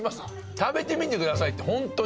食べてみてくださいってホントに。